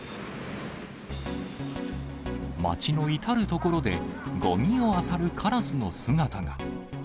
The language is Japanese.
街の至る所で、ごみをあさるカラスの姿が。